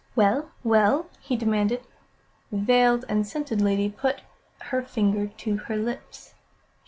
"Well well?" he demanded. The veiled and scented lady put her finger to her lips.